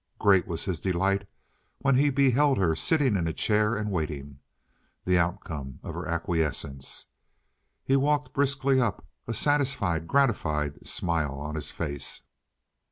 Great was his delight when he beheld her sitting in a chair and waiting—the outcome of her acquiescence. He walked briskly up, a satisfied, gratified smile on his face.